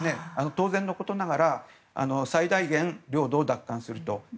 当然のことながら最大限、領土を奪還すると。